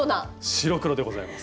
白黒でございます。